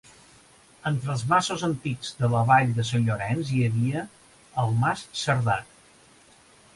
Entre els masos antics de la vall de Sant Llorenç hi havia el Mas Cerdà.